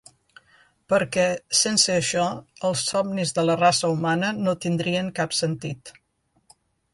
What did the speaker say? Perquè sense això els somnis de la raça humana no tindrien cap sentit.